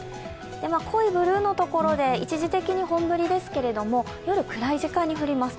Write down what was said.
濃いブルーのところで一時的に本降りですけれども、夜、暗い時間に降ります。